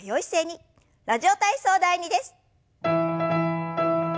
「ラジオ体操第２」です。